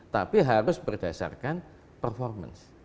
tapi harus berdasarkan performance